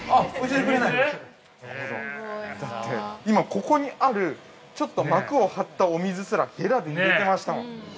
今ここにあるちょっと膜を張ったお水すらへらで入れてましたもん。